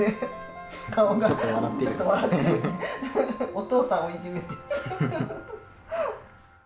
お父さんをいじめて。